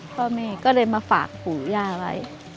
พ่อแม่ก็เลยมาฝากปู่ย่าไว้